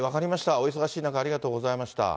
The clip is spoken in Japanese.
お忙しい中ありがとうございました。